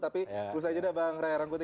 tapi usaha saja deh bang raya rangkuti